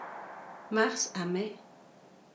Mars à mai.